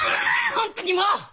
本当にもう！